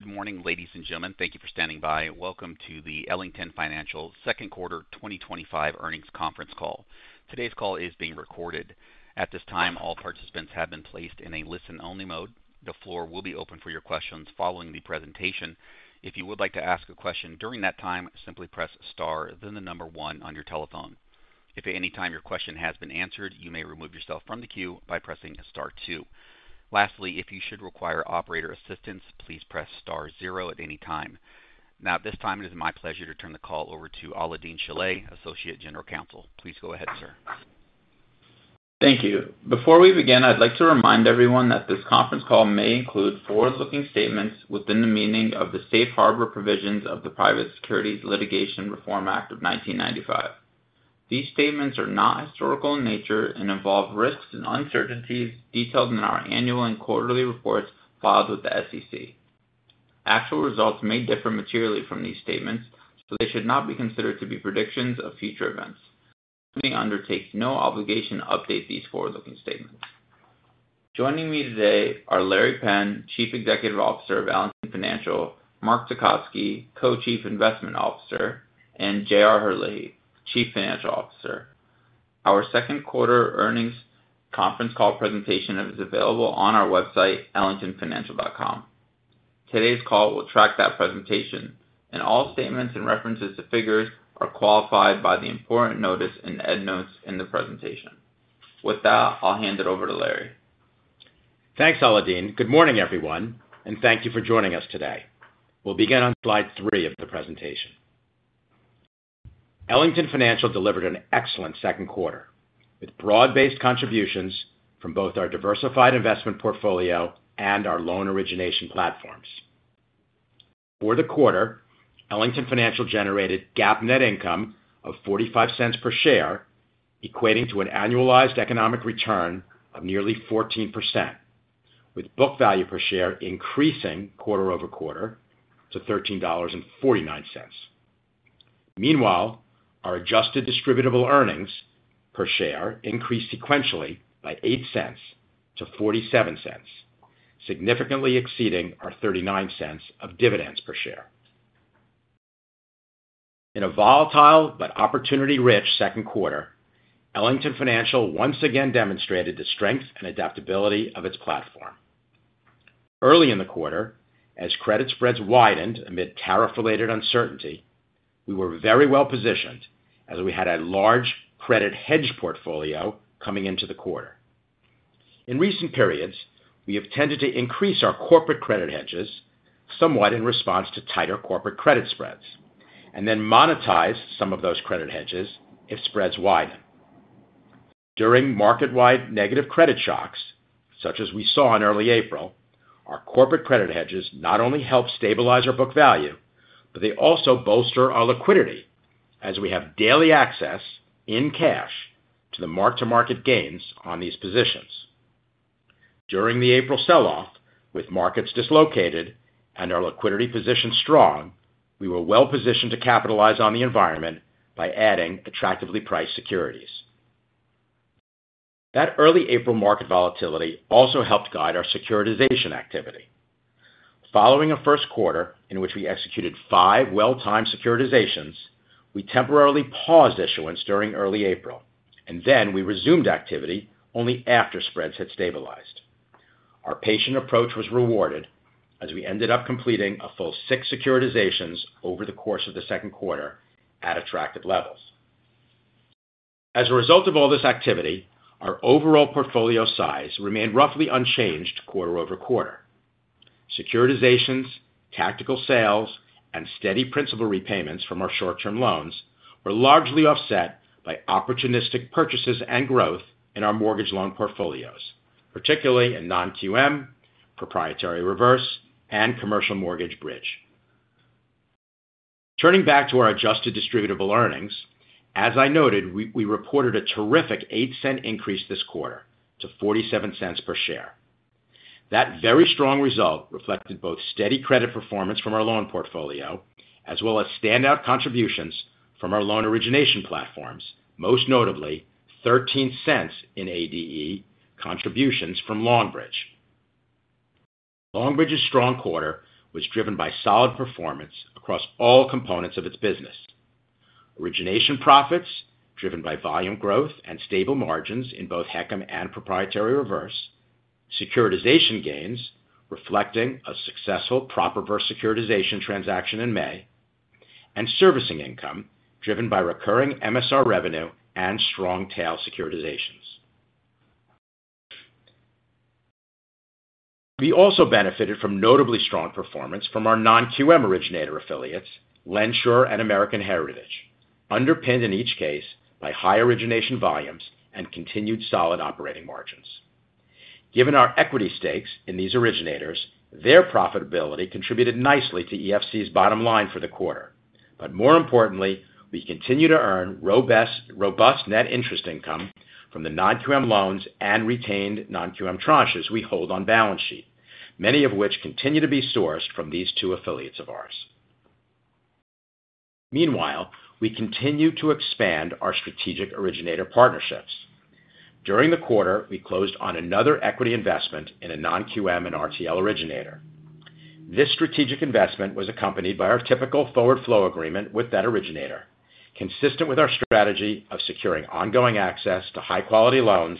Good morning, ladies and gentlemen. Thank you for standing by. Welcome to the Ellington Financial Second Quarter 2025 Earnings Conference Call. Today's call is being recorded. At this time, all participants have been placed in a listen-only mode. The floor will be open for your questions following the presentation. If you would like to ask a question during that time, simply press star, then the number one on your telephone. If at any time your question has been answered, you may remove yourself from the queue by pressing star two. Lastly, if you should require operator assistance, please press star zero at any time. Now, at this time, it is my pleasure to turn the call over to Alaael-Deen Shilleh, Associate General Counsel. Please go ahead, sir. Thank you. Before we begin, I'd like to remind everyone that this conference call may include forward-looking statements within the meaning of the safe harbor provisions of the Private Securities Litigation Reform Act of 1995. These statements are not historical in nature and involve risks and uncertainties detailed in our annual and quarterly reports filed with the SEC. Actual results may differ materially from these statements, so they should not be considered to be predictions of future events. The company undertakes no obligation to update these forward-looking statements. Joining me today are Larry Penn, Chief Executive Officer of Ellington Financial, Mark Tecotzky, Co-Chief Investment Officer, and JR Herlihy, Chief Financial Officer. Our Second Quarter Earnings Conference Call presentation is available on our website, ellingtonfinancial.com. Today's call will track that presentation, and all statements and references to figures are qualified by the important notice and end notes in the presentation. With that, I'll hand it over to Larry. Thanks, Alaael-Deen. Good morning, everyone, and thank you for joining us today. We'll begin on slide three of the presentation. Ellington Financial delivered an excellent second quarter with broad-based contributions from both our diversified investment portfolio and our loan origination platforms. For the quarter, Ellington Financial generated GAAP net income of $0.45 per share, equating to an annualized economic return of nearly 14%, with book value per share increasing quarter-over-quarter to $13.49. Meanwhile, our adjusted distributable earnings per share increased sequentially by $0.08-$0.47, significantly exceeding our $0.39 of dividends per share. In a volatile but opportunity-rich second quarter, Ellington Financial once again demonstrated the strength and adaptability of its platform. Early in the quarter, as credit spreads widened amid tariff-related uncertainty, we were very well positioned as we had a large credit hedge portfolio coming into the quarter. In recent periods, we have tended to increase our corporate credit hedges somewhat in response to tighter corporate credit spreads and then monetize some of those credit hedges if spreads widen. During market-wide negative credit shocks, such as we saw in early April, our corporate credit hedges not only helped stabilize our book value, but they also bolster our liquidity as we have daily access in cash to the mark-to-market gains on these positions. During the April sell-off, with markets dislocated and our liquidity position strong, we were well positioned to capitalize on the environment by adding attractively priced securities. That early April market volatility also helped guide our securitization activity. Following a First Quarter in which we executed five well-timed securitizations, we temporarily paused issuance during early April, and then we resumed activity only after spreads had stabilized. Our patient approach was rewarded as we ended up completing a full six securitizations over the course of the second quarter at attractive levels. As a result of all this activity, our overall portfolio size remained roughly unchanged quarter-over-quarter. Securitizations, tactical sales, and steady principal repayments from our short-term loans were largely offset by opportunistic purchases and growth in our mortgage loan portfolios, particularly in non-QM, proprietary reverse, and commercial mortgage bridge. Turning back to our adjusted distributable earnings, as I noted, we reported a terrific $0.08 increase this quarter to $0.47 per share. That very strong result reflected both steady credit performance from our loan portfolio as well as standout contributions from our loan origination platforms, most notably $0.13 in ADE contributions from Longbridge. Longbridge's strong quarter was driven by solid performance across all components of its business. Origination profits driven by volume growth and stable margins in both HECM and proprietary reverse, securitization gains reflecting a successful prop reverse securitization transaction in May, and servicing income driven by recurring MSR revenue and strong tail securitizations. We also benefited from notably strong performance from our non-QM originator affiliates, Lensure and American Heritage, underpinned in each case by high origination volumes and continued solid operating margins. Given our equity stakes in these originators, their profitability contributed nicely to EFC's bottom line for the quarter. More importantly, we continue to earn robust net interest income from the non-QM loans and retained non-QM tranches we hold on balance sheet, many of which continue to be sourced from these two affiliates of ours. Meanwhile, we continue to expand our strategic originator partnerships. During the quarter, we closed on another equity investment in a non-QM and RTL originator. This strategic investment was accompanied by our typical forward flow agreement with that originator, consistent with our strategy of securing ongoing access to high-quality loans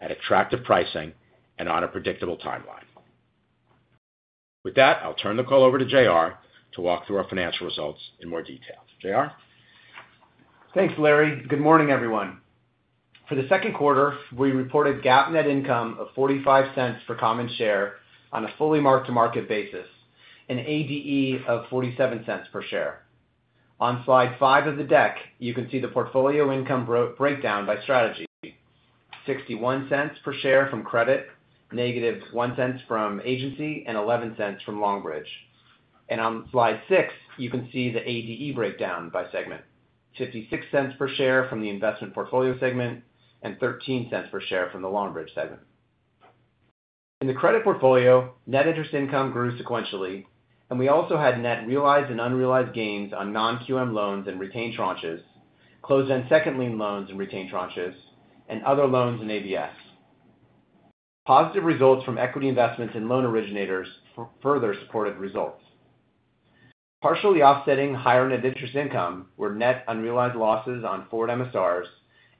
at attractive pricing and on a predictable timeline. With that, I'll turn the call over to JR to walk through our financial results in more detail. JR. Thanks, Larry. Good morning, everyone. For the second quarter, we reported GAAP net income of $0.45 per common share on a fully marked-to-market basis, an ADE of $0.47 per share. On slide five of the deck, you can see the portfolio income breakdown by strategy: $0.61 per share from credit, -$0.01 from agency, and $0.11 from Longbridge. On slide six, you can see the ADE breakdown by segment: $0.56 per share from the investment portfolio segment and $0.13 per share from the Longbridge segment. In the credit portfolio, net interest income grew sequentially, and we also had net realized and unrealized gains on non-QM loans and retained tranches, closed and second lien loans and retained tranches, and other loans and ABS. Positive results from equity investments in loan originators further supported results. Partially offsetting higher net interest income were net unrealized losses on forward MSRs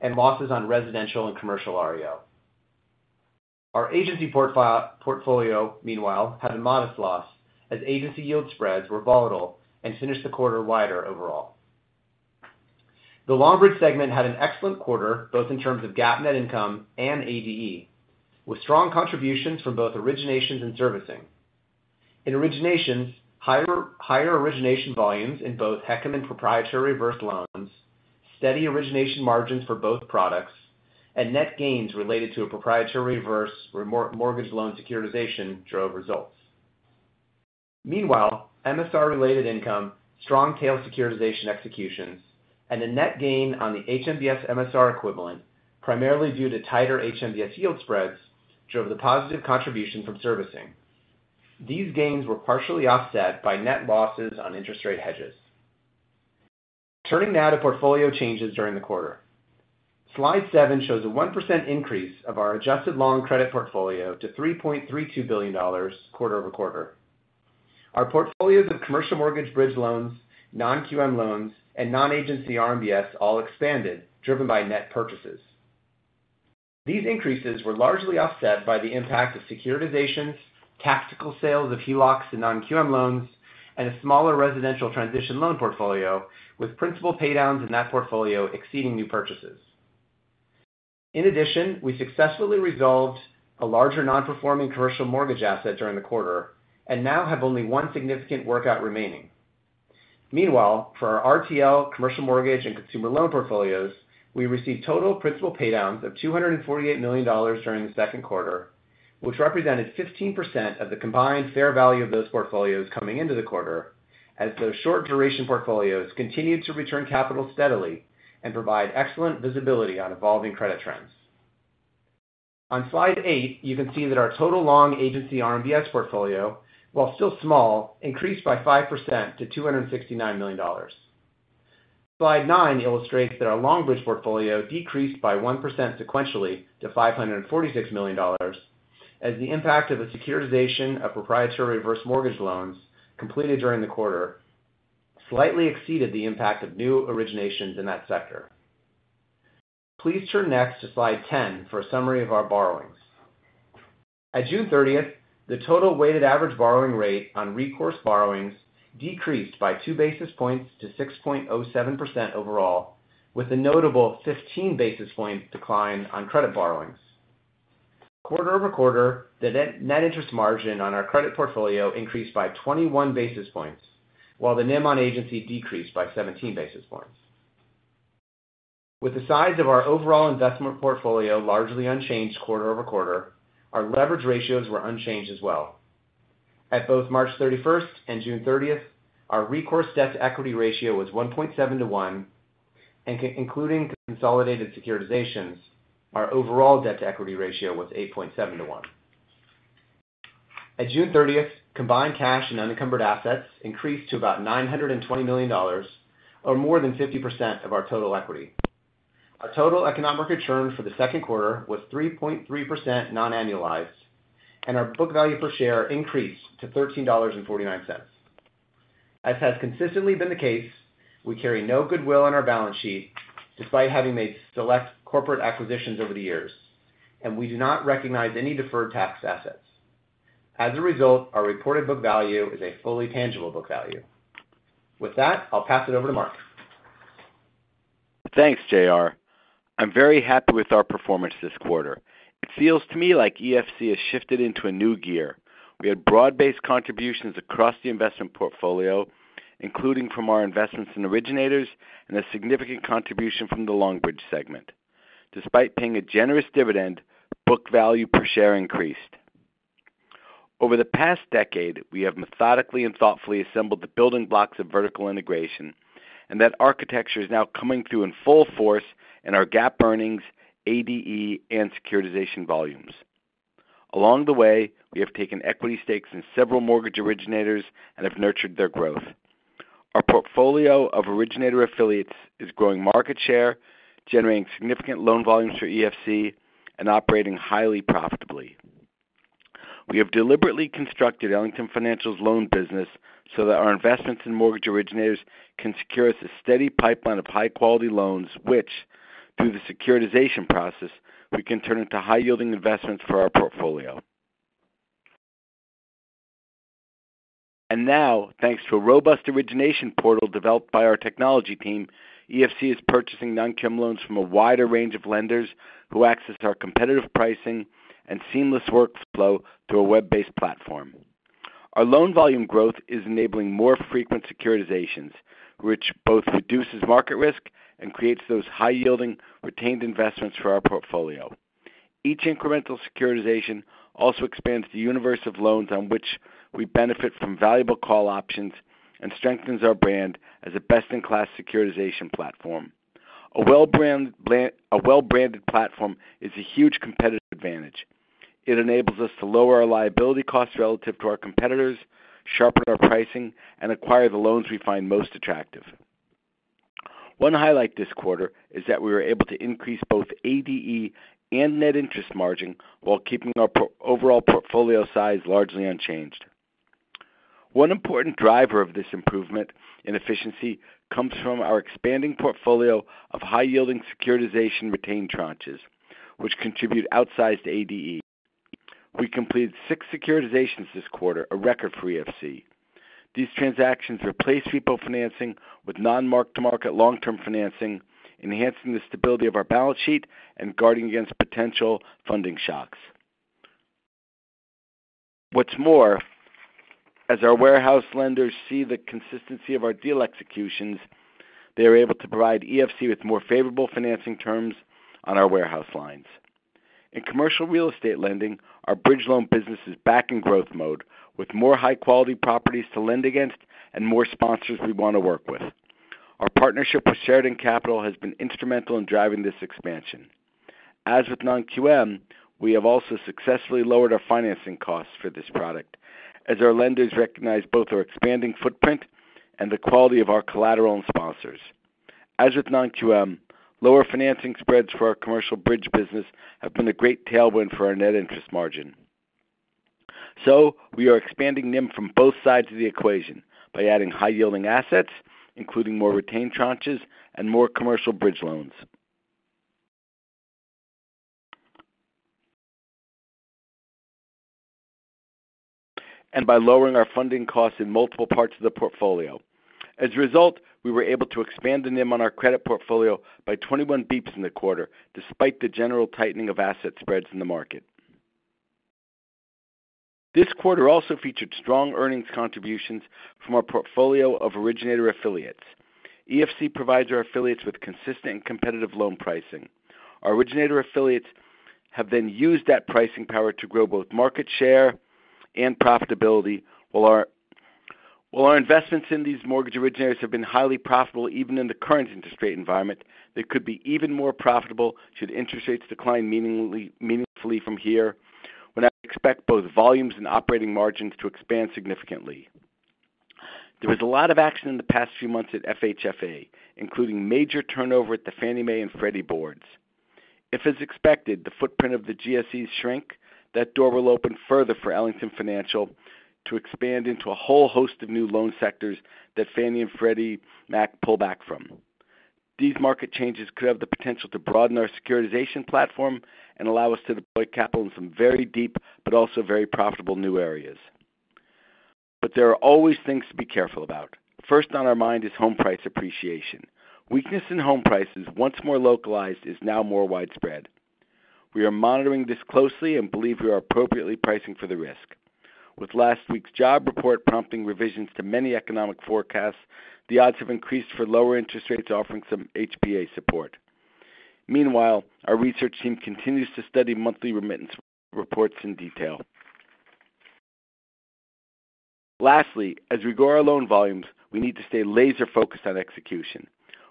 and losses on residential and commercial REO. Our agency portfolio, meanwhile, had a modest loss as agency yield spreads were volatile and finished the quarter wider overall. The Longbridge segment had an excellent quarter, both in terms of GAAP net income and ADE, with strong contributions from both originations and servicing. In originations, higher origination volumes in both HECM and proprietary reverse loans, steady origination margins for both products, and net gains related to a proprietary reverse or mortgage loan securitization drove results. Meanwhile, MSR-related income, strong tail securitization executions, and a net gain on the HMBS MSR equivalent, primarily due to tighter HMBS yield spreads, drove the positive contribution from servicing. These gains were partially offset by net losses on interest rate hedges. Turning now to portfolio changes during the quarter. Slide seven shows a 1% increase of our adjusted loan credit portfolio to $3.32 billion quarter-over-quarter. Our portfolio of commercial mortgage bridge loans, non-QM loans, and non-agency RMBS all expanded, driven by net purchases. These increases were largely offset by the impact of securitizations, tactical sales of HELOCs and non-QM loans, and a smaller residential transition loan portfolio, with principal paydowns in that portfolio exceeding new purchases. In addition, we successfully resolved a larger non-performing commercial mortgage asset during the quarter and now have only one significant workout remaining. Meanwhile, for our RTL, commercial mortgage, and consumer loan portfolios, we received total principal paydowns of $248 million during the second quarter, which represented 15% of the combined fair value of those portfolios coming into the quarter, as those short duration portfolios continued to return capital steadily and provide excellent visibility on evolving credit trends. On slide eight, you can see that our total long agency RMBS portfolio, while still small, increased by 5% to $269 million. Slide nine illustrates that our Longbridge portfolio decreased by 1% sequentially to $546 million, as the impact of a securitization of proprietary reverse mortgage loans completed during the quarter slightly exceeded the impact of new originations in that sector. Please turn next to slide 10 for a summary of our borrowings. At June 30th, the total weighted average borrowing rate on recourse borrowings decreased by two basis points to 6.07% overall, with a notable 15 basis point decline on credit borrowings. Quarter-over-quarter, the net interest margin on our credit portfolio increased by 21 basis points, while the NIM on agency decreased by 17 basis points. With the size of our overall investment portfolio largely unchanged quarter-over-quarter, our leverage ratios were unchanged as well. At both March 31st and June 30th, our recourse debt-to-equity ratio was 1.7 to 1, and including consolidated securitizations, our overall debt-to-equity ratio was 8.7 to 1. At June 30th, combined cash and unencumbered assets increased to about $920 million, or more than 50% of our total equity. Our total economic return for the second quarter was 3.3% non-annualized, and our book value per share increased to $13.49. As has consistently been the case, we carry no goodwill on our balance sheet despite having made select corporate acquisitions over the years, and we do not recognize any deferred tax assets. As a result, our reported book value is a fully tangible book value. With that, I'll pass it over to Mark. Thanks, JR. I'm very happy with our performance this quarter. It feels to me like EFC has shifted into a new gear. We had broad-based contributions across the investment portfolio, including from our investments in originators and a significant contribution from the Longbridge segment. Despite paying a generous dividend, book value per share increased. Over the past decade, we have methodically and thoughtfully assembled the building blocks of vertical integration, and that architecture is now coming through in full force in our GAAP earnings, ADE, and securitization volumes. Along the way, we have taken equity stakes in several mortgage originators and have nurtured their growth. Our portfolio of originator affiliates is growing market share, generating significant loan volumes for EFC and operating highly profitably. We have deliberately constructed Ellington Financial's loan business so that our investments in mortgage originators can secure us a steady pipeline of high-quality loans, which, through the securitization process, we can turn into high-yielding investments for our portfolio. Now, thanks to a robust origination portal developed by our technology team, EFC is purchasing non-QM loans from a wider range of lenders who access our competitive pricing and seamless workflow through a web-based platform. Our loan volume growth is enabling more frequent securitizations, which both reduces market risk and creates those high-yielding retained investments for our portfolio. Each incremental securitization also expands the universe of loans on which we benefit from valuable call options and strengthens our brand as a best-in-class securitization platform. A well-branded platform is a huge competitive advantage. It enables us to lower our liability costs relative to our competitors, sharpen our pricing, and acquire the loans we find most attractive. One highlight this quarter is that we were able to increase both ADE and net interest margin while keeping our overall portfolio size largely unchanged. One important driver of this improvement in efficiency comes from our expanding portfolio of high-yielding securitization retained tranches, which contribute outsized ADE. We completed six securitizations this quarter, a record for EFC. These transactions replace repo financing with non-marked-to-market long-term financing, enhancing the stability of our balance sheet and guarding against potential funding shocks. What's more, as our warehouse lenders see the consistency of our deal executions, they are able to provide EFC with more favorable financing terms on our warehouse lines. In commercial real estate lending, our bridge loan business is back in growth mode with more high-quality properties to lend against and more sponsors we want to work with. Our partnership with Sheridan Capital has been instrumental in driving this expansion. As with non-QM, we have also successfully lowered our financing costs for this product as our lenders recognize both our expanding footprint and the quality of our collateral and sponsors. As with non-QM, lower financing spreads for our commercial bridge business have been a great tailwind for our net interest margin. We are expanding NIM from both sides of the equation by adding high-yielding assets, including more retained tranches and more commercial bridge loans, and by lowering our funding costs in multiple parts of the portfolio. As a result, we were able to expand the NIM on our credit portfolio by 21 bps in the quarter, despite the general tightening of asset spreads in the market. This quarter also featured strong earnings contributions from our portfolio of originator affiliates. EFC provides our affiliates with consistent and competitive loan pricing. Our originator affiliates have then used that pricing power to grow both market share and profitability. While our investments in these mortgage originators have been highly profitable, even in the current interest rate environment, they could be even more profitable should interest rates decline meaningfully from here, when I expect both volumes and operating margins to expand significantly. There was a lot of action in the past few months at FHFA, including major turnover at the Fannie Mae and Freddie boards. If, as expected, the footprint of the GSEs shrink, that door will open further for Ellington Financial to expand into a whole host of new loan sectors that Fannie Mae and Freddie Mac pull back from. These market changes could have the potential to broaden our securitization platform and allow us to deploy capital in some very deep but also very profitable new areas. There are always things to be careful about. First on our mind is home price appreciation. Weakness in home prices, once more localized, is now more widespread. We are monitoring this closely and believe we are appropriately pricing for the risk. With last week's job report prompting revisions to many economic forecasts, the odds have increased for lower interest rates offering some HPA support. Meanwhile, our research team continues to study monthly remittance reports in detail. Lastly, as we grow our loan volumes, we need to stay laser-focused on execution.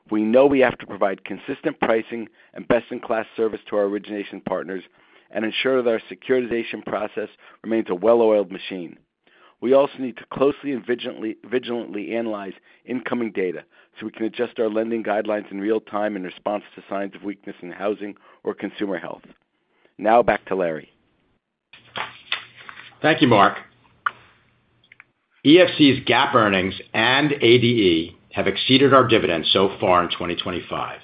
We know we have to provide consistent pricing and best-in-class service to our origination partners and ensure that our securitization process remains a well-oiled machine. We also need to closely and vigilantly analyze incoming data so we can adjust our lending guidelines in real time in response to signs of weakness in housing or consumer health. Now back to Larry. Thank you, Mark. EFC's GAAP earnings and ADE have exceeded our dividends so far in 2025,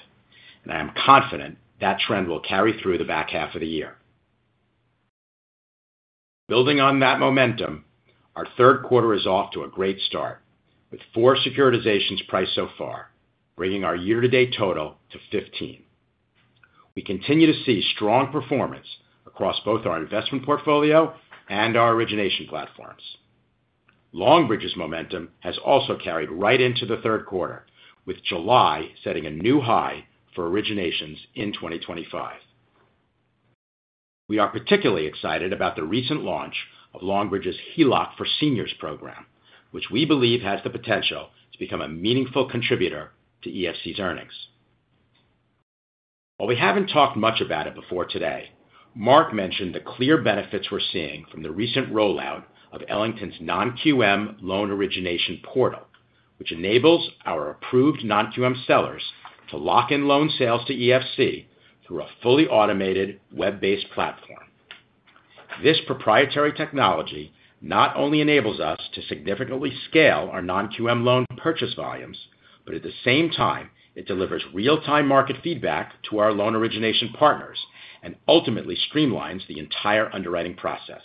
and I am confident that trend will carry through the back half of the year. Building on that momentum, our third quarter is off to a great start, with four securitizations priced so far, bringing our year-to-date total to 15. We continue to see strong performance across both our investment portfolio and our origination platforms. Longbridge's momentum has also carried right into the third quarter, with July setting a new high for originations in 2025. We are particularly excited about the recent launch of Longbridge's HELOC for Seniors program, which we believe has the potential to become a meaningful contributor to EFC's earnings. While we haven't talked much about it before today, Mark mentioned the clear benefits we're seeing from the recent rollout of Ellington's non-QM loan origination portal, which enables our approved non-QM sellers to lock in loan sales to EFC through a fully automated web-based platform. This proprietary technology not only enables us to significantly scale our non-QM loan purchase volumes, but at the same time, it delivers real-time market feedback to our loan origination partners and ultimately streamlines the entire underwriting process.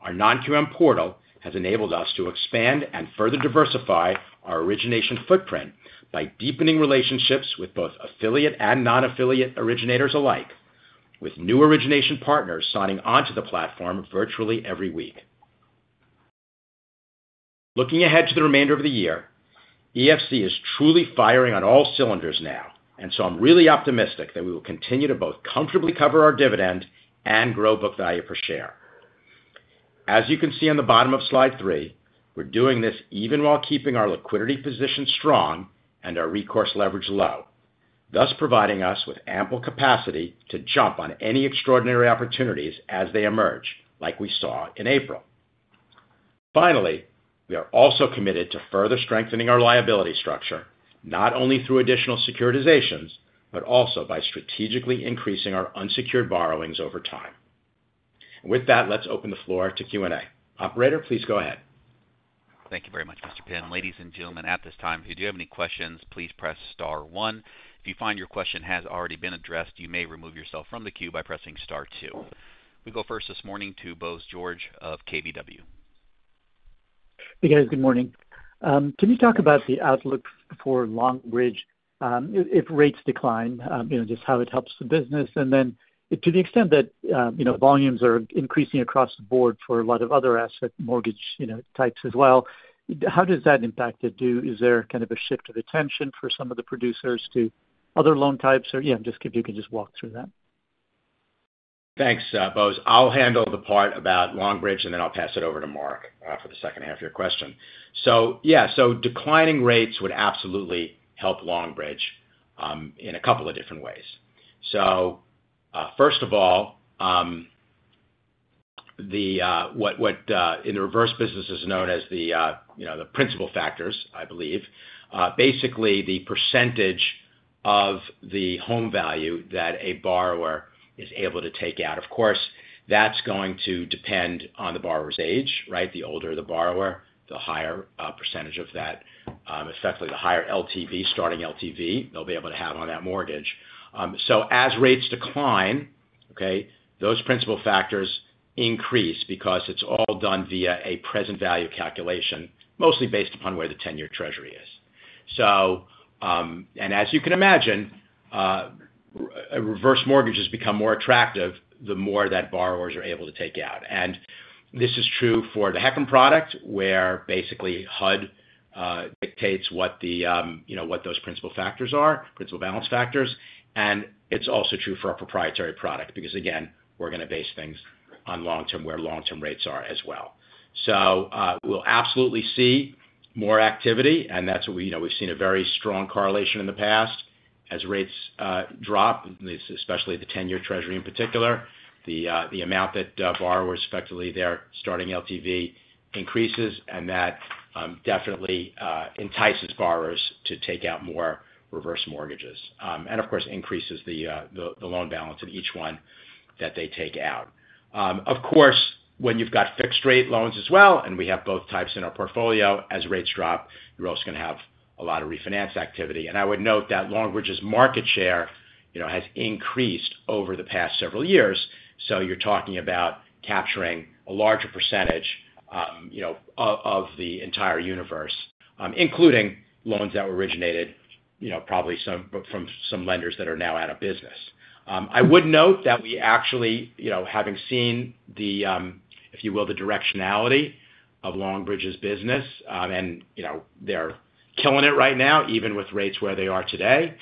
Our non-QM portal has enabled us to expand and further diversify our origination footprint by deepening relationships with both affiliate and non-affiliate originators alike, with new origination partners signing onto the platform virtually every week. Looking ahead to the remainder of the year, EFC is truly firing on all cylinders now, and I'm really optimistic that we will continue to both comfortably cover our dividend and grow book value per share. As you can see on the bottom of slide three, we're doing this even while keeping our liquidity position strong and our recourse leverage low, thus providing us with ample capacity to jump on any extraordinary opportunities as they emerge, like we saw in April. Finally, we are also committed to further strengthening our liability structure, not only through additional securitizations, but also by strategically increasing our unsecured borrowings over time. With that, let's open the floor to Q&A. Operator, please go ahead. Thank you very much, Mr. Penn. Ladies and gentlemen, at this time, if you do have any questions, please press star one. If you find your question has already been addressed, you may remove yourself from the queue by pressing star two. We go first this morning to Bose George of KBW. Hey, guys, good morning. Can you talk about the outlook for Longbridge if rates decline, just how it helps the business? To the extent that volumes are increasing across the board for a lot of other asset mortgage types as well, how does that impact it? Is there kind of a shift of attention for some of the producers to other loan types? If you can just walk through that. Thanks, Bose. I'll handle the part about Longbridge, and then I'll pass it over to Mark for the second half of your question. Declining rates would absolutely help Longbridge in a couple of different ways. First of all, what in the reverse business is known as the principal factors, I believe, basically the percentage of the home value that a borrower is able to take out. Of course, that's going to depend on the borrower's age, right? The older the borrower, the higher percentage of that, effectively the higher LTV, starting LTV they'll be able to have on that mortgage. As rates decline, those principal factors increase because it's all done via a present value calculation, mostly based upon where the 10-year Treasury is. As you can imagine, reverse mortgages become more attractive the more that borrowers are able to take out. This is true for the HECM product, where basically HUD dictates what those principal factors are, principal balance factors. It's also true for our proprietary product because, again, we're going to base things on where long-term rates are as well. We'll absolutely see more activity, and we've seen a very strong correlation in the past. As rates drop, especially the 10-year Treasury in particular, the amount that borrowers, effectively their starting LTV, increases, and that definitely entices borrowers to take out more reverse mortgages. Of course, it increases the loan balance of each one that they take out. When you've got fixed-rate loans as well, and we have both types in our portfolio, as rates drop, you're also going to have a lot of refinance activity. I would note that Longbridge's market share has increased over the past several years. You're talking about capturing a larger percentage of the entire universe, including loans that were originated, probably some from some lenders that are now out of business. I would note that we actually, having seen the directionality of Longbridge's business, and they're killing it right now, even with rates where they are today,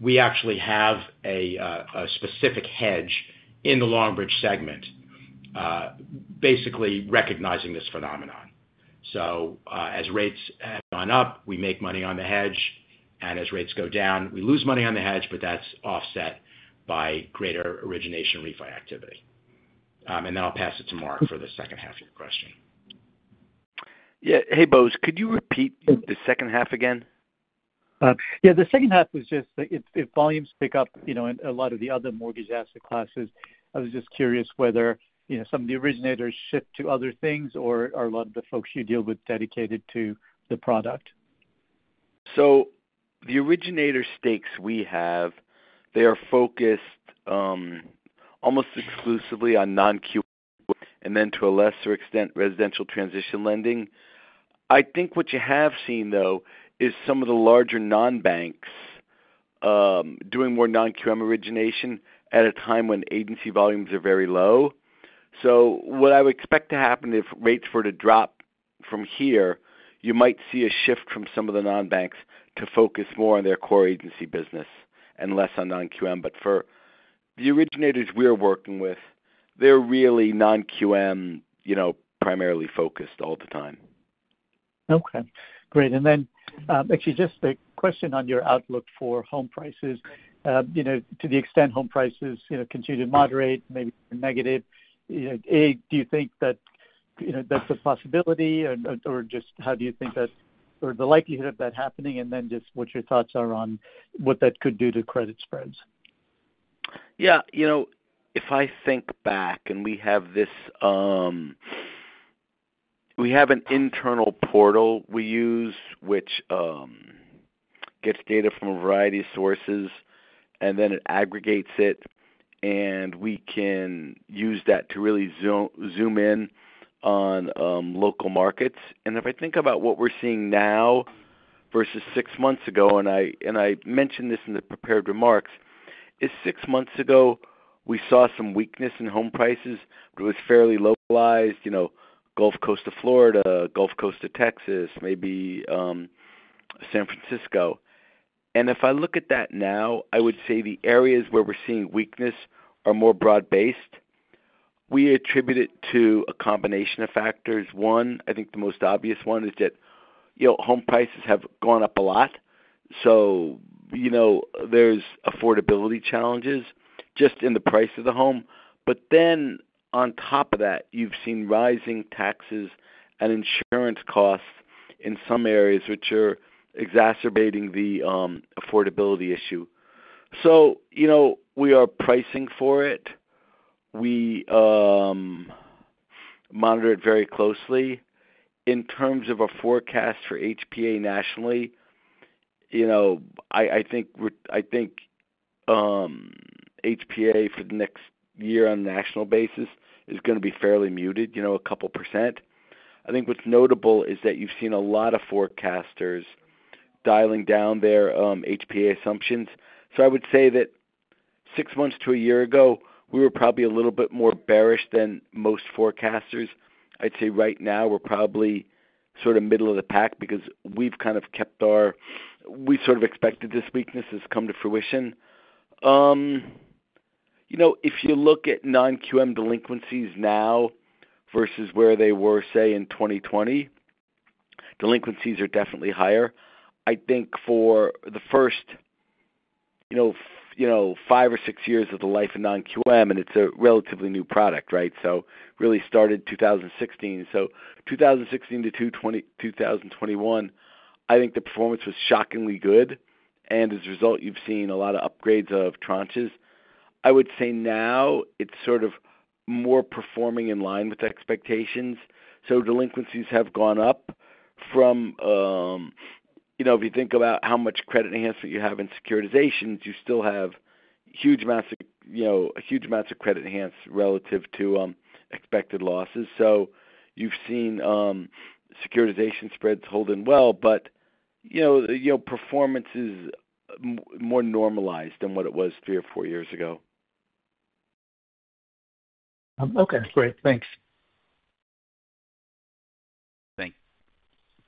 we actually have a specific hedge in the Longbridge segment, basically recognizing this phenomenon. As rates have gone up, we make money on the hedge, and as rates go down, we lose money on the hedge, but that's offset by greater origination refinance activity. I'll pass it to Mark for the second half of your question. Yeah, hey, Bose, could you repeat the second half again? Yeah, the second half was just if volumes pick up, you know, a lot of the other mortgage asset classes, I was just curious whether some of the originators shift to other things, or are a lot of the folks you deal with dedicated to the product? The originator stakes we have are focused almost exclusively on non-QM and then to a lesser extent residential transition lending. I think what you have seen is some of the larger non-banks doing more non-QM origination at a time when agency volumes are very low. What I would expect to happen if rates were to drop from here, you might see a shift from some of the non-banks to focus more on their core agency business and less on non-QM. For the originators we're working with, they're really non-QM, you know, primarily focused all the time. Okay, great. Actually, just a question on your outlook for home prices. To the extent home prices continue to moderate, maybe negative, do you think that that's a possibility or just how do you think that or the likelihood of that happening? What are your thoughts on what that could do to credit spreads? Yeah, you know, if I think back and we have this, we have an internal portal we use, which gets data from a variety of sources, and then it aggregates it. We can use that to really zoom in on local markets. If I think about what we're seeing now versus six months ago, and I mentioned this in the prepared remarks, six months ago we saw some weakness in home prices, but it was fairly localized, you know, Gulf Coast of Florida, Gulf Coast of Texas, maybe San Francisco. If I look at that now, I would say the areas where we're seeing weakness are more broad-based. We attribute it to a combination of factors. One, I think the most obvious one is that, you know, home prices have gone up a lot. There's affordability challenges just in the price of the home. On top of that, you've seen rising taxes and insurance costs in some areas, which are exacerbating the affordability issue. We are pricing for it. We monitor it very closely. In terms of a forecast for HPA nationally, I think HPA for the next year on a national basis is going to be fairly muted, you know, a couple percent. I think what's notable is that you've seen a lot of forecasters dialing down their HPA assumptions. I would say that six months to a year ago, we were probably a little bit more bearish than most forecasters. I'd say right now we're probably sort of middle of the pack because we've kind of kept our, we sort of expected this weakness has come to fruition. If you look at non-QM delinquencies now versus where they were, say, in 2020, delinquencies are definitely higher. I think for the first five or six years of the life of non-QM, and it's a relatively new product, right? Really started in 2016. So, 2016 to 2021, I think the performance was shockingly good. As a result, you've seen a lot of upgrades of tranches. I would say now it's sort of more performing in line with expectations. Delinquencies have gone up from, you know, if you think about how much credit enhancement you have in securitizations, you still have huge amounts of, you know, huge amounts of credit enhanced relative to expected losses. You've seen securitization spreads hold in well, but performance is more normalized than what it was three or four years ago. Okay, great. Thanks.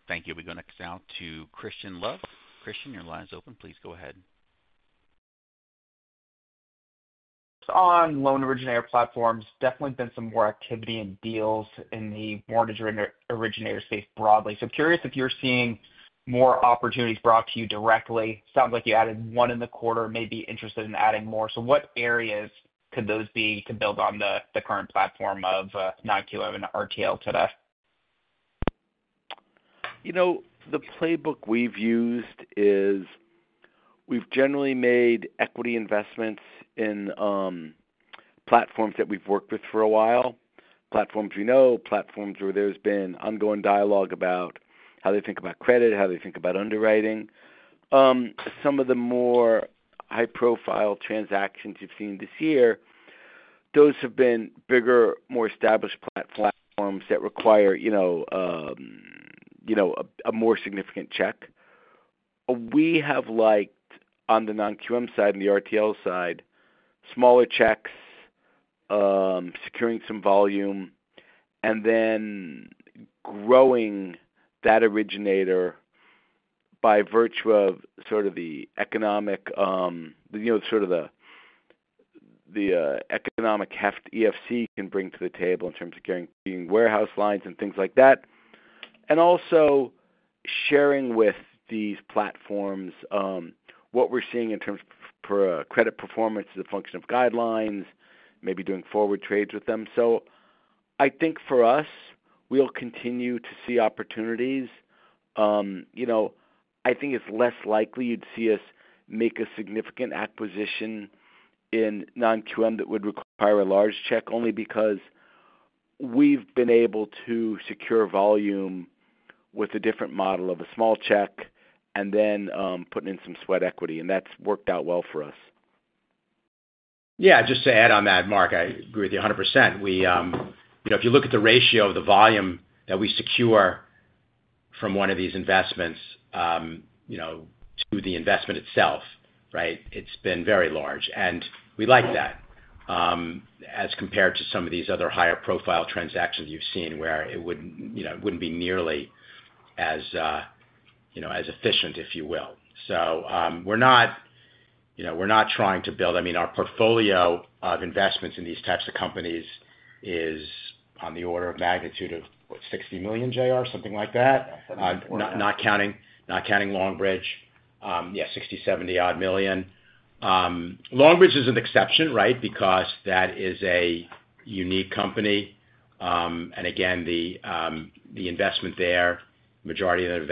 Thank you. We go next down to Christian Love. Christian, your line's open. Please go ahead. On loan originator platforms, there has definitely been some more activity and deals in the mortgage originator space broadly. I'm curious if you're seeing more opportunities brought to you directly. It sounds like you added one in the quarter and may be interested in adding more. What areas could those be to build on the current platform of non-QM and RTL today? You know, the playbook we've used is we've generally made equity investments in platforms that we've worked with for a while. Platforms we know, platforms where there's been ongoing dialogue about how they think about credit, how they think about underwriting. Some of the more high-profile transactions you've seen this year have been bigger, more established platforms that require a more significant check. We have liked on the non-QM side and the RTL side smaller checks, securing some volume, and then growing that originator by virtue of sort of the economic heft EFC can bring to the table in terms of carrying warehouse lines and things like that. Also, sharing with these platforms what we're seeing in terms of credit performance as a function of guidelines, maybe doing forward trades with them. I think for us, we'll continue to see opportunities. I think it's less likely you'd see us make a significant acquisition in non-QM that would require a large check only because we've been able to secure volume with a different model of a small check and then putting in some sweat equity, and that's worked out well for us. Yeah, just to add on that, Mark, I agree with you 100%. If you look at the ratio of the volume that we secure from one of these investments through the investment itself, it's been very large. We like that as compared to some of these other higher profile transactions you've seen where it wouldn't be nearly as efficient, if you will. We're not trying to build, I mean, our portfolio of investments in these types of companies is on the order of magnitude of $60 million, JR, something like that. Not counting, not counting Longbridge. Yeah, $60 million, $70 odd million. Longbridge is an exception, right, because that is a unique company. The investment there, the majority of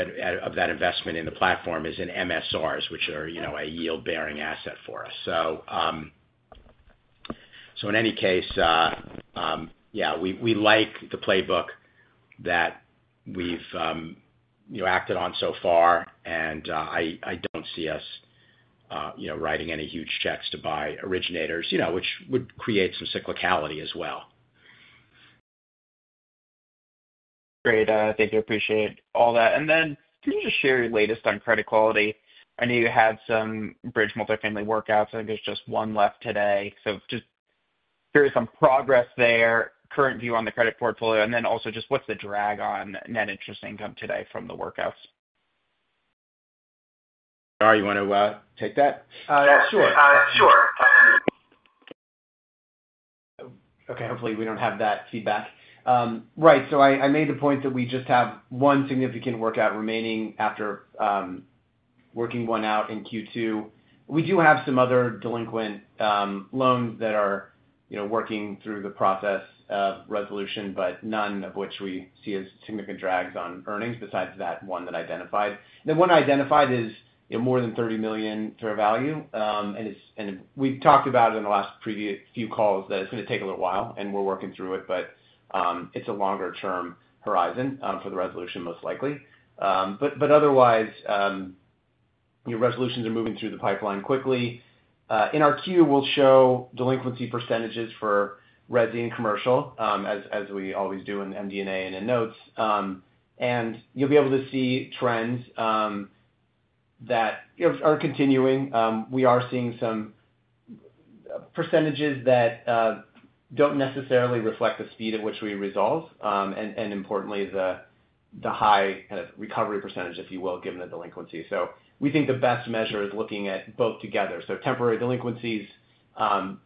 that investment in the platform is in MSRs, which are a yield-bearing asset for us. In any case, we like the playbook that we've acted on so far, and I don't see us writing any huge checks to buy originators, which would create some cyclicality as well. Great. Thank you. I appreciate all that. Can you just share your latest on credit quality? I know you had some bridge multifamily workouts. I think it's just one left today. Please share some progress there, current view on the credit portfolio, and also what's the drag on net interest income today from the workouts? Oh, you want to take that? Sure. Sure. Okay, hopefully we don't have that feedback. Right, I made the point that we just have one significant workout remaining after working one out in Q2. We do have some other delinquent loans that are working through the process of resolution, but none of which we see as significant drags on earnings besides that one that I identified. The one I identified is more than $30 million fair value. We've talked about it in the last previous few calls that it's going to take a little while, and we're working through it, but it's a longer-term horizon for the resolution most likely. Otherwise, your resolutions are moving through the pipeline quickly. In our queue, we'll show delinquency percentages for residential and commercial, as we always do in MD&A and in notes. You'll be able to see trends that are continuing. We are seeing some percentages that don't necessarily reflect the speed at which we resolve, and importantly, the high kind of recovery percentage, if you will, given the delinquency. We think the best measure is looking at both together. Temporary delinquencies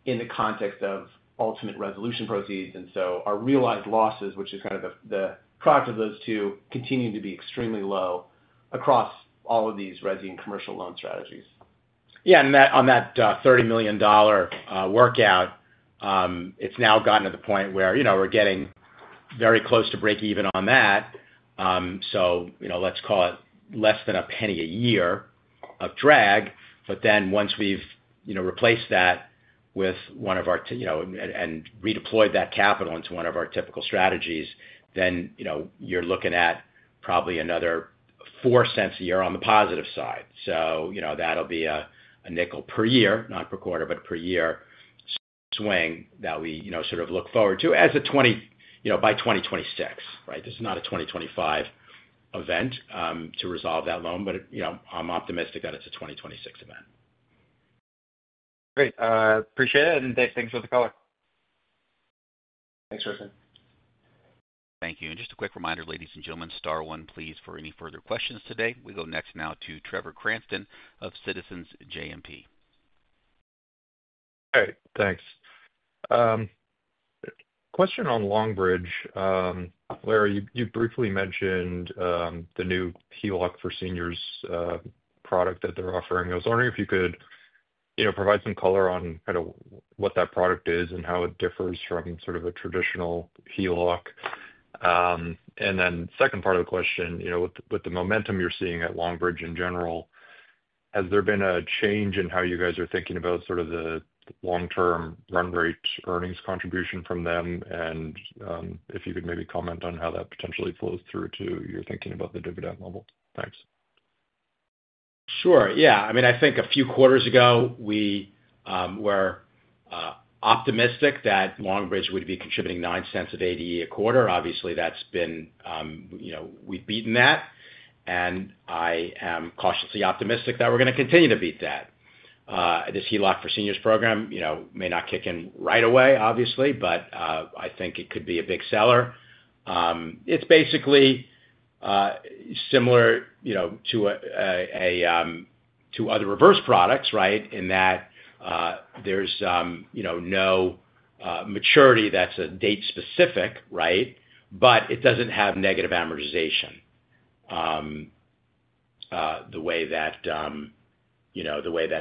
in the context of ultimate resolution proceeds, and our realized losses, which is kind of the product of those two, continue to be extremely low across all of these residential and commercial loan strategies. Yeah, and on that $30 million workout, it's now gotten to the point where we're getting very close to break even on that. Let's call it less than a penny a year of drag. Once we've replaced that with one of our, you know, and redeployed that capital into one of our typical strategies, you're looking at probably another $0.04 a year on the positive side. That'll be a nickel per year, not per quarter, but per year swing that we sort of look forward to as a 2026, right? This is not a 2025 event to resolve that loan, but I'm optimistic that it's a 2026 event. Great. Appreciate it, and thanks for the call. Thanks, Christian. Thank you. Just a quick reminder, ladies and gentlemen, star one, please, for any further questions today. We go next now to Trevor Cranston of Citizens JMP. All right, thanks. Question on Longbridge. Larry, you briefly mentioned the new HELOC for Seniors product that they're offering. I was wondering if you could provide some color on kind of what that product is and how it differs from sort of a traditional HELOC. The second part of the question, with the momentum you're seeing at Longbridge in general, has there been a change in how you guys are thinking about sort of the long-term run rate earnings contribution from them? If you could maybe comment on how that potentially flows through to your thinking about the dividend level. Thanks. Sure, yeah. I mean, I think a few quarters ago we were optimistic that Longbridge would be contributing $0.09 of ADE a quarter. Obviously, that's been, you know, we've beaten that. I am cautiously optimistic that we're going to continue to beat that. This HELOC for Seniors program may not kick in right away, obviously, but I think it could be a big seller. It's basically similar to other reverse products in that there's no maturity that's a date specific, but it doesn't have negative amortization the way that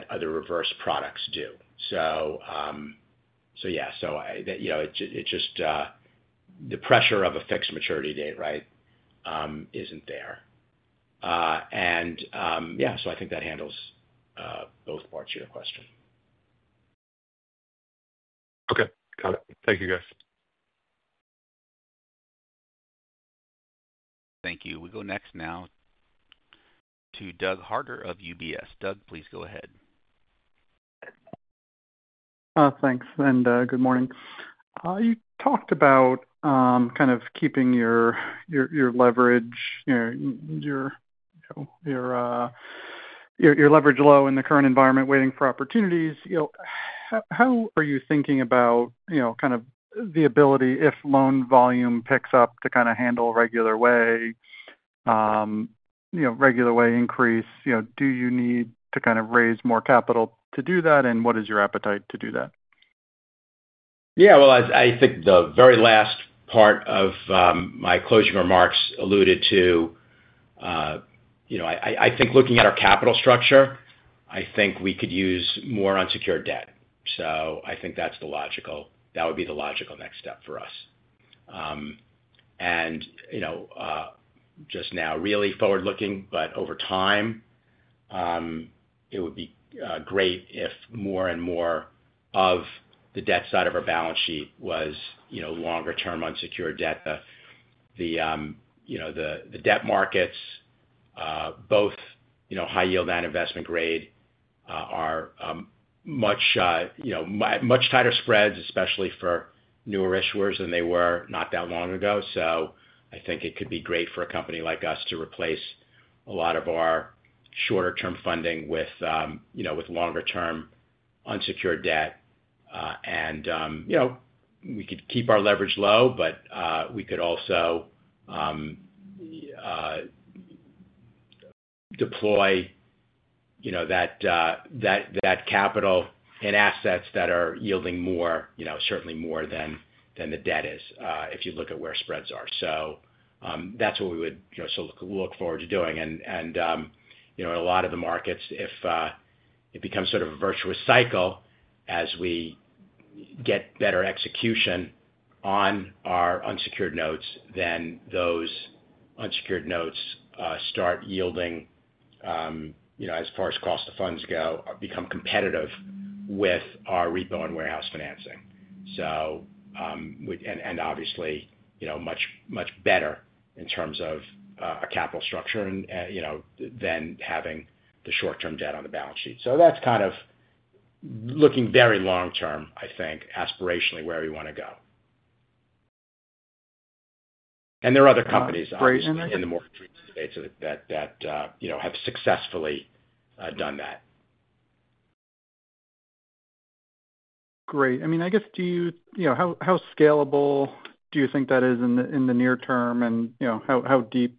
other reverse products do. The pressure of a fixed maturity date isn't there. I think that handles both parts of your question. Okay, got it. Thank you, guys. Thank you. We go next now to Doug Harter of UBS. Doug, please go ahead. Thanks, and good morning. You talked about keeping your leverage low in the current environment, waiting for opportunities. How are you thinking about the ability, if loan volume picks up, to handle a regular way increase? Do you need to raise more capital to do that, and what is your appetite to do that? I think the very last part of my closing remarks alluded to, you know, I think looking at our capital structure, I think we could use more unsecured debt. I think that's the logical, that would be the logical next step for us. You know, just now really forward-looking, but over time, it would be great if more and more of the debt side of our balance sheet was, you know, longer-term unsecured debt. The debt markets, both high-yield non-investment grade, are much tighter spreads, especially for newer issuers than they were not that long ago. I think it could be great for a company like us to replace a lot of our shorter-term funding with longer-term unsecured debt. You know, we could keep our leverage low, but we could also deploy that capital in assets that are yielding more, certainly more than the debt is if you look at where spreads are. That's what we would look forward to doing. In a lot of the markets, if it becomes sort of a virtuous cycle, as we get better execution on our unsecured notes, then those unsecured notes start yielding, as far as cost of funds go, become competitive with our repo and warehouse financing. Obviously, much better in terms of a capital structure than having the short-term debt on the balance sheet. That's kind of looking very long-term, I think, aspirationally where we want to go. There are other companies in the mortgage space that have successfully done that. Great. I mean, I guess, how scalable do you think that is in the near term, and how deep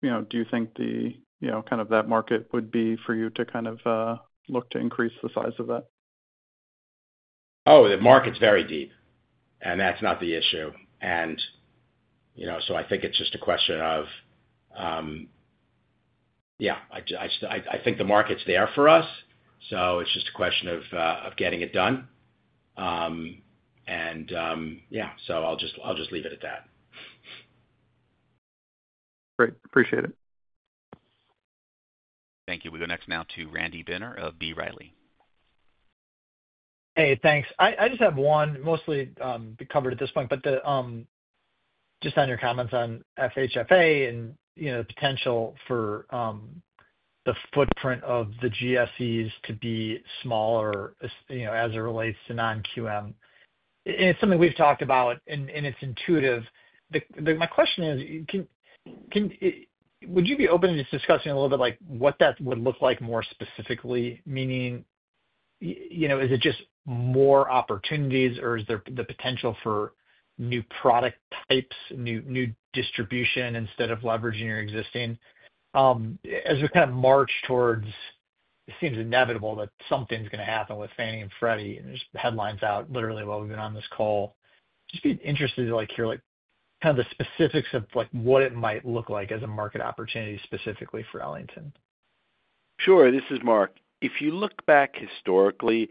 do you think that market would be for you to look to increase the size of that? The market's very deep. That's not the issue. I think it's just a question of, yeah, I think the market's there for us. It's just a question of getting it done. I'll just leave it at that. Great. Appreciate it. Thank you. We go next now to Randy Binner of B. Riley. Hey, thanks. I just have one mostly covered at this point, but just on your comments on FHFA and, you know, the potential for the footprint of the GSEs to be smaller, you know, as it relates to non-QM. It's something we've talked about and it's intuitive. My question is, would you be open to just discussing a little bit like what that would look like more specifically, meaning, you know, is it just more opportunities or is there the potential for new product types, new distribution instead of leveraging your existing? As we kind of march towards, it seems inevitable that something's going to happen with Fannie and Freddie, and there's headlines out literally while we've been on this call. I'd just be interested to like hear like kind of the specifics of like what it might look like as a market opportunity specifically for Ellington. Sure, this is Mark. If you look back historically,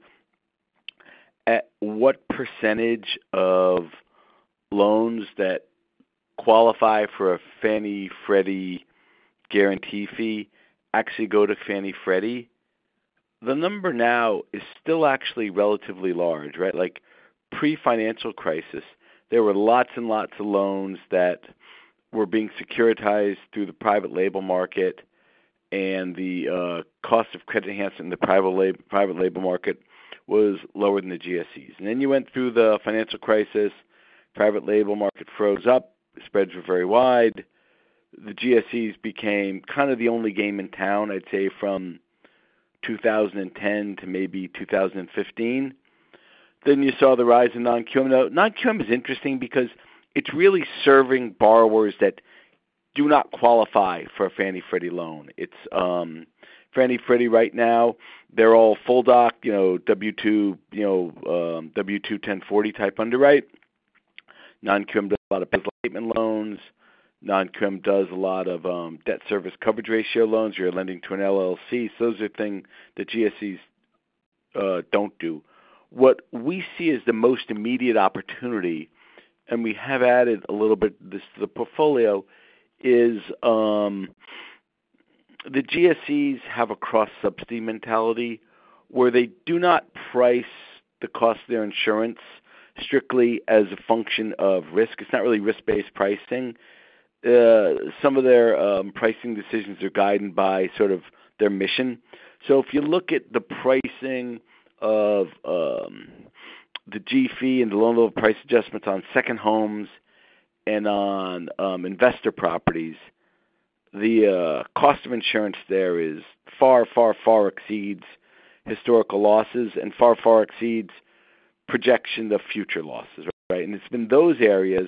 at what percentage of loans that qualify for a Fannie or Freddie guarantee fee actually go to Fannie or Freddie? The number now is still actually relatively large, right? Like pre-financial crisis, there were lots and lots of loans that were being securitized through the private label market, and the cost of credit enhancement in the private label market was lower than the GSEs. You went through the financial crisis, private label market froze up, spreads were very wide. The GSEs became kind of the only game in town, I'd say, from 2010 to maybe 2015. You saw the rise in non-QM. Non-QM is interesting because it's really serving borrowers that do not qualify for a Fannie or Freddie loan. It's Fannie or Freddie right now, they're all Full Dock, you know, W2, you know, W2 1040 type underwrite. Non-QM does a lot of bank statement loans. Non-QM does a lot of debt service coverage ratio loans. We are lending to an LLC. Those are things the GSEs don't do. What we see is the most immediate opportunity, and we have added a little bit to the portfolio, is the GSEs have a cross-subsidy mentality where they do not price the cost of their insurance strictly as a function of risk. It's not really risk-based pricing. Some of their pricing decisions are guided by sort of their mission. If you look at the pricing of the G fee and the loan-level price adjustments on second homes and on investor properties, the cost of insurance there far, far, far exceeds historical losses and far, far exceeds projections of future losses, right? It's been those areas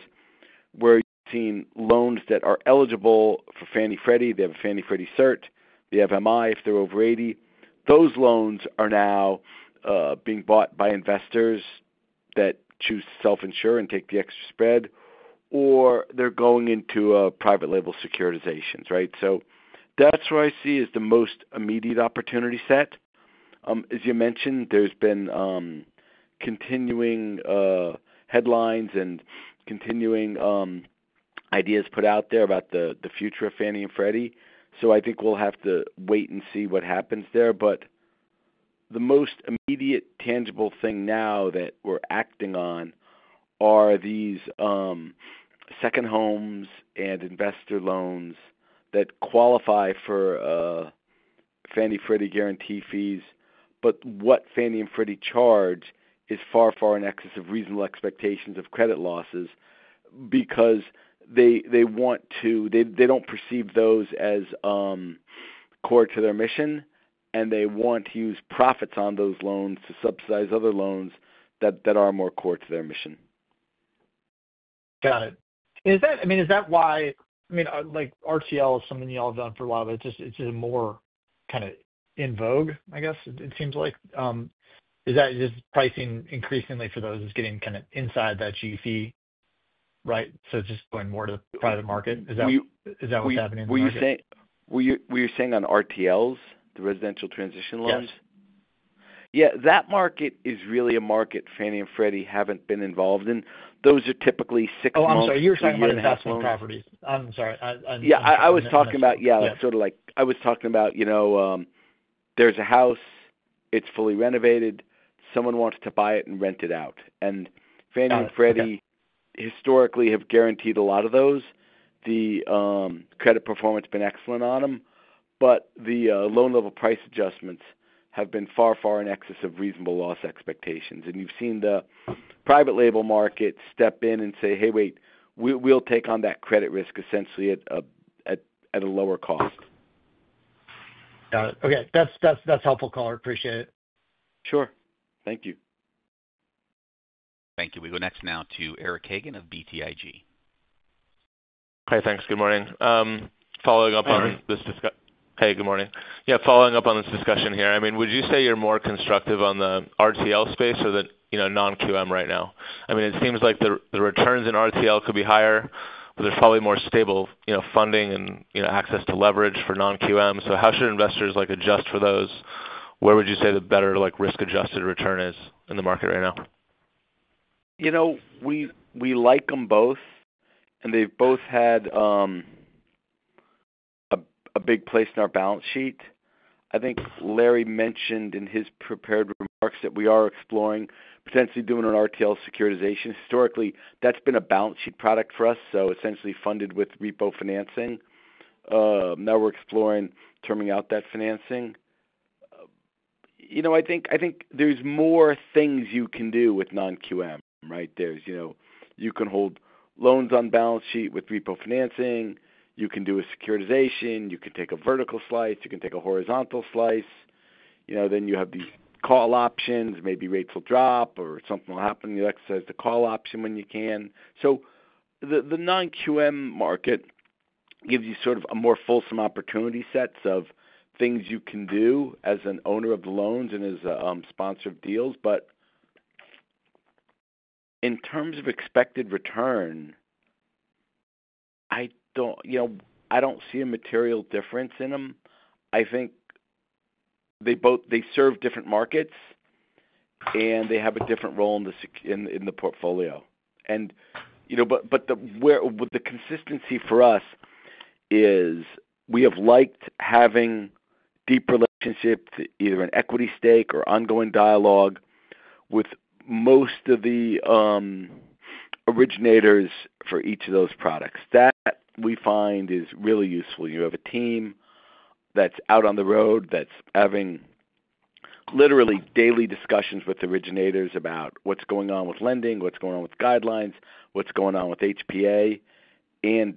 where you've seen loans that are eligible for Fannie or Freddie. They have a Fannie or Freddie cert. They have MI if they're over 80. Those loans are now being bought by investors that choose to self-insure and take the extra spread, or they're going into private label securitizations, right? That's where I see is the most immediate opportunity set. As you mentioned, there's been continuing headlines and continuing ideas put out there about the future of Fannie and Freddie. I think we'll have to wait and see what happens there. The most immediate tangible thing now that we're acting on are these second homes and investor loans that qualify for Fannie or Freddie guarantee fees. What Fannie and Freddie charge is far, far in excess of reasonable expectations of credit losses because they want to, they don't perceive those as core to their mission, and they want to use profits on those loans to subsidize other loans that are more core to their mission. Got it. Is that why, I mean, RTL is something you all have done for a while, but it's just more kind of in vogue, I guess, it seems like. Is that just pricing increasingly for those that's getting kind of inside that G fee, right? It's just going more to the private market. Is that what's happening? Were you saying on RTLs, the residential transition loans? Yes. Yeah, that market is really a market Fannie and Freddie haven't been involved in. Those are typically six months. Oh, I'm sorry, you were talking about investment properties. I'm sorry. I was talking about, like, I was talking about, you know, there's a house, it's fully renovated, someone wants to buy it and rent it out. Fannie and Freddie historically have guaranteed a lot of those. The credit performance has been excellent on them. The loanable price adjustments have been far, far in excess of reasonable loss expectations. You've seen the private label market step in and say, "Hey, wait, we'll take on that credit risk essentially at a lower cost. Got it. Okay, that's helpful. Appreciate it. Sure. Thank you. Thank you. We go next now to Eric Hagen of BTIG. Hi, thanks. Good morning. Following up on this discussion, would you say you're more constructive on the RTL space or the non-QM right now? It seems like the returns in RTL could be higher, but there's probably more stable funding and access to leverage for non-QM. How should investors adjust for those? Where would you say the better risk-adjusted return is in the market right now? You know, we like them both, and they've both had a big place in our balance sheet. I think Larry mentioned in his prepared remarks that we are exploring potentially doing an RTL securitization. Historically, that's been a balance sheet product for us, essentially funded with repo financing. Now we're exploring turning out that financing. I think there's more things you can do with non-QM, right? You can hold loans on balance sheet with repo financing, you can do a securitization, you can take a vertical slice, you can take a horizontal slice. You have these call options. Maybe rates will drop or something will happen. You'll exercise the call option when you can. The non-QM market gives you sort of a more fulsome opportunity set of things you can do as an owner of loans and as a sponsor of deals. In terms of expected return, I don't see a material difference in them. I think they both serve different markets, and they have a different role in the portfolio. The consistency for us is we have liked having deep relationships, either an equity stake or ongoing dialogue with most of the originators for each of those products. That we find is really useful. You have a team that's out on the road that's having literally daily discussions with originators about what's going on with lending, what's going on with guidelines, what's going on with HPA.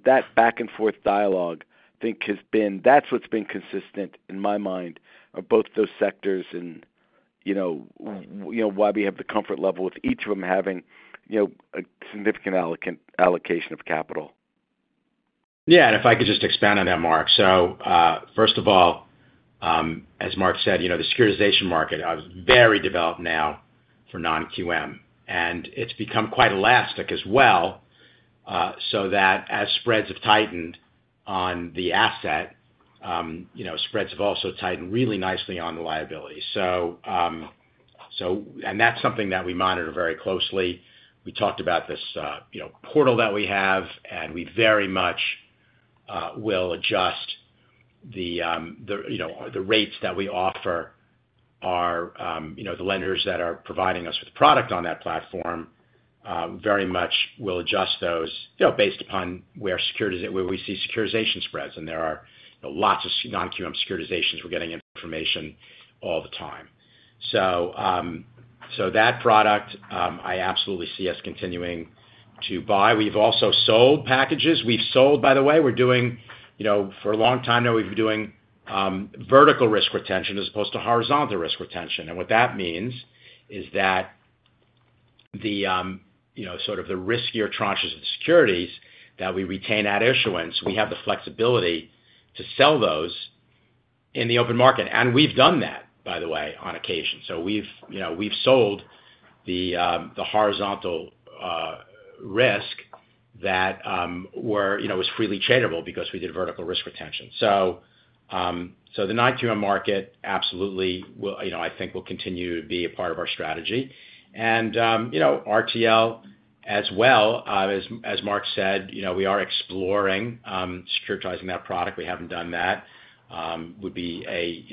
That back-and-forth dialogue, I think, has been what's been consistent in my mind of both those sectors and why we have the comfort level with each of them having a significant allocation of capital. Yeah, and if I could just expand on that, Mark. First of all, as Mark said, the securitization market is very developed now for non-QM, and it's become quite elastic as well, so that as spreads have tightened on the asset, spreads have also tightened really nicely on the liability. That's something that we monitor very closely. We talked about this portal that we have, and we very much will adjust the rates that we offer our lenders that are providing us with the product on that platform, very much will adjust those based upon where securities are, where we see securitization spreads. There are lots of non-QM securitizations, we're getting information all the time. That product I absolutely see us continuing to buy. We've also sold packages. By the way, for a long time now, we've been doing vertical risk retention as opposed to horizontal risk retention. What that means is that the riskier tranches of securities that we retain at issuance, we have the flexibility to sell those in the open market. We've done that, by the way, on occasion. We've sold the horizontal risk that was freely tradable because we did vertical risk retention. The non-QM market absolutely will, I think, continue to be a part of our strategy. RTL as well, as Mark said, we are exploring securitizing that product. We haven't done that. It would be a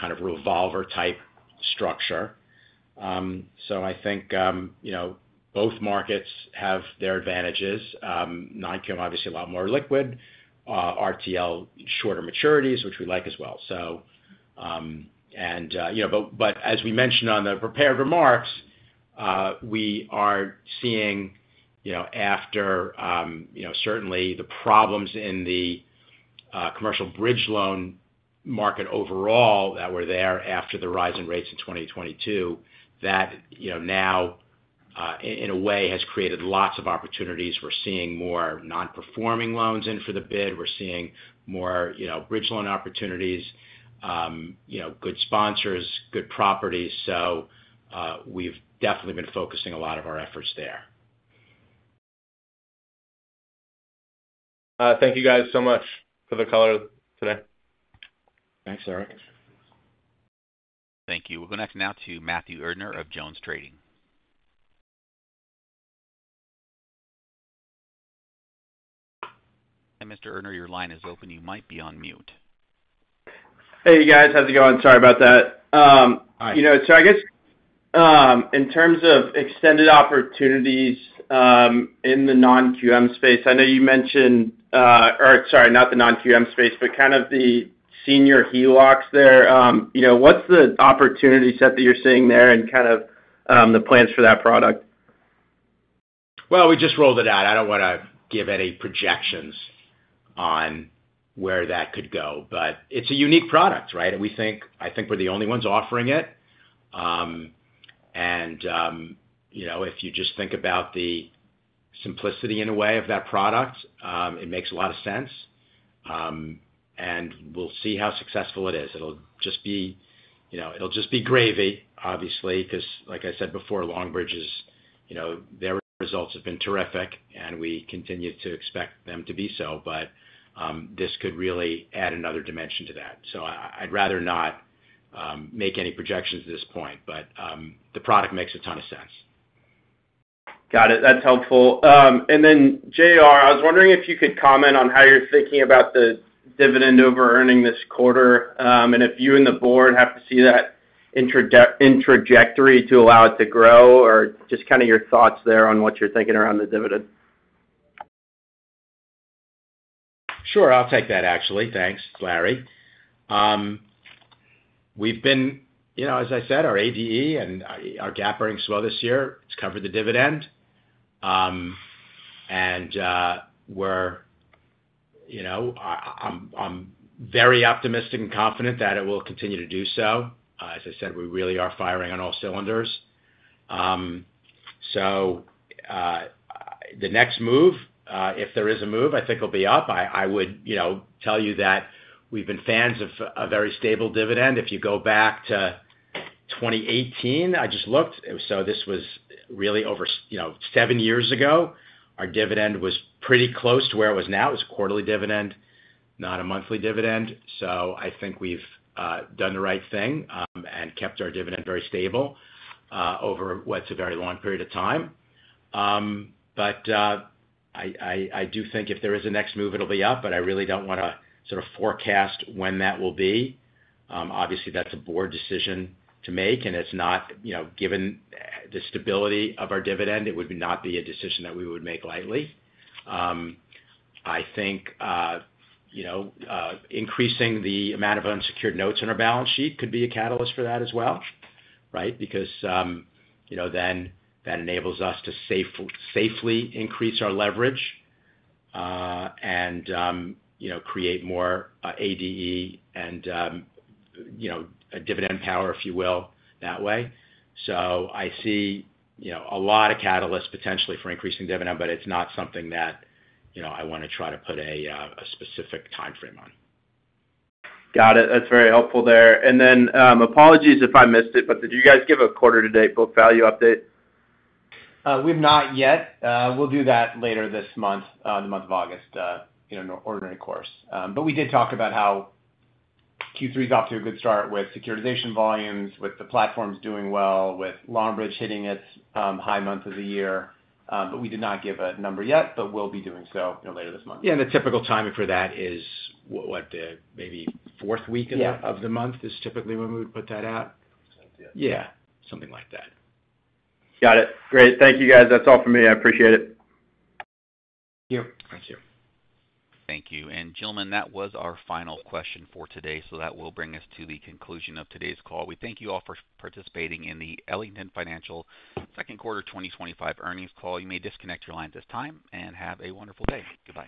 kind of revolver type structure. I think both markets have their advantages. Non-QM obviously a lot more liquid, RTL shorter maturities, which we like as well. As we mentioned on the prepared remarks, we are seeing, after certainly the problems in the commercial bridge loan market overall that were there after the rise in rates in 2022, that now in a way has created lots of opportunities. We're seeing more non-performing loans in for the bid. We're seeing more bridge loan opportunities, good sponsors, good properties. We've definitely been focusing a lot of our efforts there. Thank you guys so much for the color today. Thanks, Eric. Thank you. We'll go next now to Matthew Erdner of JonesTrading. Mr. Erdner, your line is open. You might be on mute. Hey, guys, how's it going? Sorry about that. In terms of extended opportunities in the non-QM space, I know you mentioned, or sorry, not the non-QM space, but kind of the senior HELOCs there. What's the opportunity set that you're seeing there and the plans for that product? We just rolled it out. I don't want to give any projections on where that could go, but it's a unique product, right? We think, I think we're the only ones offering it. You know, if you just think about the simplicity in a way of that product, it makes a lot of sense. We'll see how successful it is. It'll just be, you know, it'll just be gravy, obviously, because like I said before, Longbridge's results have been terrific, and we continue to expect them to be so. This could really add another dimension to that. I'd rather not make any projections at this point, but the product makes a ton of sense. Got it. That's helpful. JR, I was wondering if you could comment on how you're thinking about the dividend over earning this quarter and if you and the board have to see that in trajectory to allow it to grow or just kind of your thoughts there on what you're thinking around the dividend. Sure, I'll take that actually. Thanks, Larry. We've been, as I said, our ADE and our GAAP earnings flow this year, it's covered the dividend. I'm very optimistic and confident that it will continue to do so. As I said, we really are firing on all cylinders. The next move, if there is a move, I think it'll be up. I would tell you that we've been fans of a very stable dividend. If you go back to 2018, I just looked, so this was really over seven years ago. Our dividend was pretty close to where it was now. It was a quarterly dividend, not a monthly dividend. I think we've done the right thing and kept our dividend very stable over what's a very long period of time. I do think if there is a next move, it'll be up, but I really don't want to sort of forecast when that will be. Obviously, that's a board decision to make, and it's not, given the stability of our dividend, it would not be a decision that we would make lightly. I think increasing the amount of unsecured notes on our balance sheet could be a catalyst for that as well, right? Because then that enables us to safely increase our leverage and create more ADE and, you know, a dividend power, if you will, that way. I see a lot of catalysts potentially for increasing dividend, but it's not something that I want to try to put a specific timeframe on. Got it. That's very helpful there. Apologies if I missed it, but did you guys give a quarter-to-date book value update? We have not yet. We'll do that later this month, the month of August, in an ordinary course. We did talk about how Q3 is off to a good start with securitization volumes, with the platforms doing well, with Longbridge hitting its high month of the year. We did not give a number yet, but we'll be doing so later this month. Yeah, the typical timing for that is what, maybe the fourth week of the month is typically when we would put that out. Yeah, something like that. Got it. Great. Thank you, guys. That's all for me. I appreciate it. Thank you. Thank you. Gentlemen, that was our final question for today. That will bring us to the conclusion of today's call. We thank you all for participating in the Ellington Financial Second Quarter 2025 Earnings Call. You may disconnect your line at this time and have a wonderful day. Goodbye.